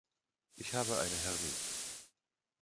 Ich habe eine Hernie.